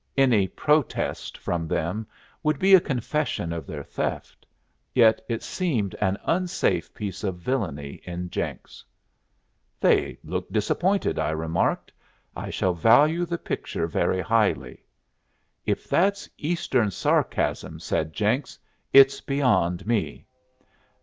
Any protest from them would be a confession of their theft. Yet it seemed an unsafe piece of villany in Jenks. "They look disappointed," I remarked. "I shall value the picture very highly." "If that's Eastern sarcasm," said Jenks, "it's beyond me."